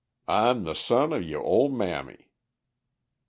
Ah'm the son of yo' ol' mammy."